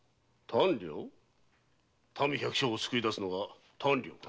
民百姓を救い出すのが短慮か？